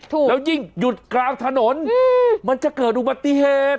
แล้วยิ่งหยุดกลางถนนมันจะเกิดอุบัติเหตุ